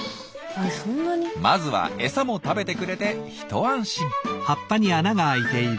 まずは餌も食べてくれて一安心。